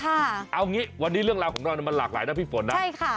เอางี้วันนี้เรื่องราวของเรามันหลากหลายนะพี่ฝนนะใช่ค่ะ